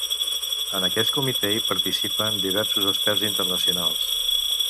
En aquest comitè hi participen diversos experts internacionals.